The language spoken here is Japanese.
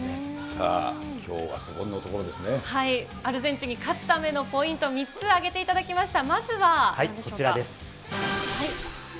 さあ、きょうはそこのところアルゼンチンに勝つためのポイント、３つ挙げていただきました。